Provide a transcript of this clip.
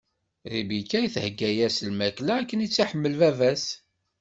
Ribika thegga-as lmakla akken i tt-iḥemmel baba-s.